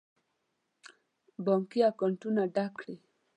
بانکي اکاونټونه ډک کړي.